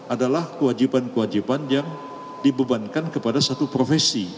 adalah kewajiban kewajiban yang dibebankan kepada satu profesi